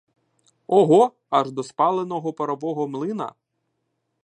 Ого, аж до спаленого парового млина!